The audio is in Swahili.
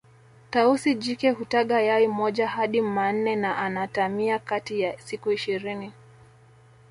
Tausi jike hutaga yai moja hadi manne na ana atamia kati ya siku ishirini